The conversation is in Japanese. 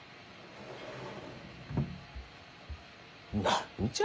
何じゃ？